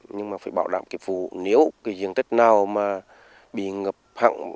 nhưng mà phải bảo đảm ki vụ nếu cái diện tích nào mà bị ngập hẳn